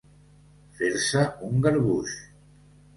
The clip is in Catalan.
Fer-se un garbuix.